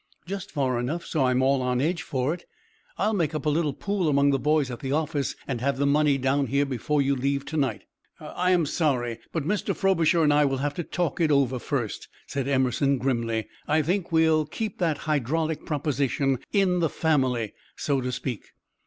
"Just far enough so I'm all on edge for it. I'll make up a little pool among the boys at the office and have the money down here before you leave to night." "I am sorry, but Mr. Frobisher and I will have to talk it over first," said Emerson, grimly. "I think we will keep that 'hydraulic proposition' in the family, so to speak."